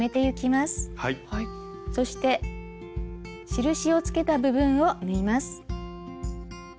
そして印をつけた部分を縫います。